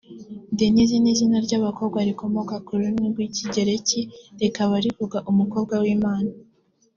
Denise ni izina ry’abakobwa rikomoka ku rurimi rw’Ikigereki rikaba rivuga “Umukobwa w’Imana”